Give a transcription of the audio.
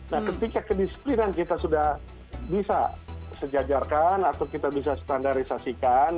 nah ketika kedisiplinan kita sudah bisa sejajarkan atau kita bisa standarisasikan